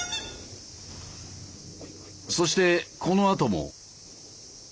そしてこのあとも。